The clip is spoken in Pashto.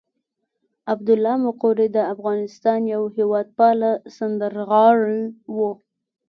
عبدالله مقری د افغانستان یو هېواد پاله سندرغاړی وو.